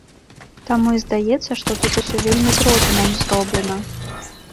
Таму і здаецца, што тут усё вельмі з розумам зроблена.